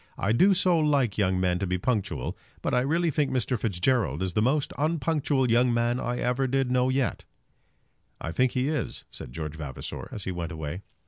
"I do so like young men to be punctual. But I really think Mr. Fitzgerald is the most unpunctual young man I ever did know yet." "I think he is," said George Vavasor, as he went away.